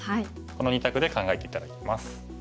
この２択で考えて頂きます。